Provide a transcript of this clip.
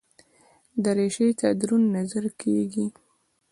دریشي ته دروند نظر کېږي.